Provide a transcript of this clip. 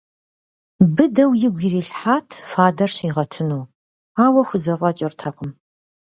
Быдэу игу ирилъхьэрт фадэр щигъэтыну, ауэ хузэфӏэкӏыртэкъым.